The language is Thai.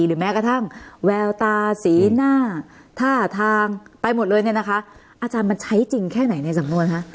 แม้กระทั่งแววตาสีหน้าท่าทางไปหมดเลยเนี่ยนะคะอาจารย์มันใช้จริงแค่ไหนในสำนวนคะ